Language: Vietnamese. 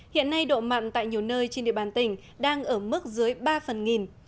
hiện nay độ mặn tại nhiều nơi trên địa bàn tỉnh đang ở mức dưới ba phần nghìn